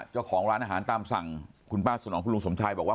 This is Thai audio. เจ้าของร้านอาหารตามสั่งคุณป้าสนองคุณลุงสมชัยบอกว่า